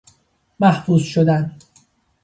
محفوظ شدن